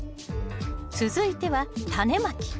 続いてはタネまき。